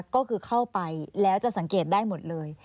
ก็คือเข้าไปแล้วจะสังเกตได้หมดเลย